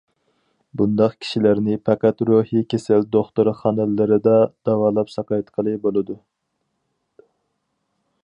بۇنداق كىشىلەرنى پەقەت روھىي كېسەل دوختۇرخانىلىرىدا داۋالاپ ساقايتقىلى بولىدۇ.